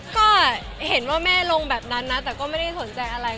ก็เห็นว่าแม่ลงแบบนั้นนะแต่ก็ไม่ได้สนใจอะไร